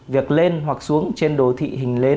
việc lên hoặc xuống trên đồ thị hình lến